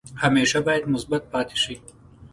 همیشه باید مثبت پاتې شئ.